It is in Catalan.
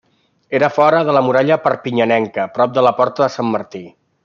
Era fora de la muralla perpinyanenca, prop de la Porta de Sant Martí.